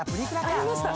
ありました。